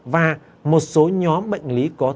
và một số nhóm bệnh lý có tiền